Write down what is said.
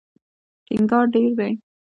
ټینګار ډېر دی.